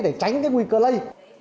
để tránh cái nguy cơ lây